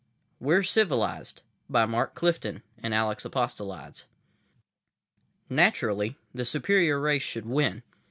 WE'RE CIVILIZED! By MARK CLIFTON and ALEX APOSTOLIDES _Naturally, the superior race should win